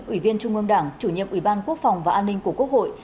ủy viên trung ương đảng chủ nhiệm ủy ban quốc phòng và an ninh của quốc hội